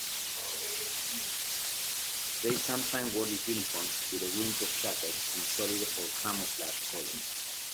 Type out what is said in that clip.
They sometimes wore this uniform with a windproof jacket in solid or camouflage colors.